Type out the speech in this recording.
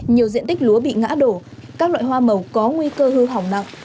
nhiều diện tích lúa bị ngã đổ các loại hoa màu có nguy cơ hư hỏng nặng